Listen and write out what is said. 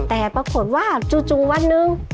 แต่ปรากฏว่าจู่วันหนึ่ง